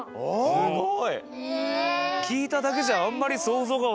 すごい。